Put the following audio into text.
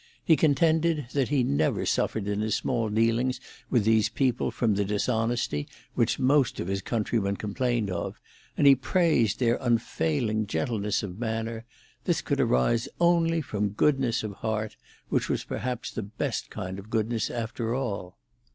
He contended that he never suffered in his small dealings with these people from the dishonesty which most of his countrymen complained of; and he praised their unfailing gentleness of manner; this could arise only from goodness of heart, which was perhaps the best kind of goodness after all.